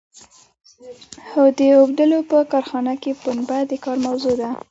هو د اوبدلو په کارخانه کې پنبه د کار موضوع ده.